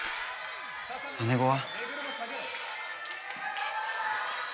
姉御は？